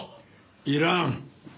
いらん。